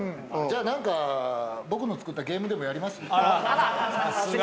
じゃあ何か、僕が作ったゲームでもやります？